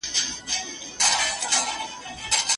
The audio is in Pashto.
زړور کسان په ډاډه زړه خپل نظرونه څرګندوي.